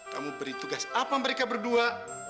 kamu beri tugas apa mereka berdua